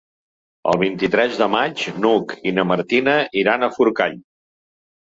El vint-i-tres de maig n'Hug i na Martina iran a Forcall.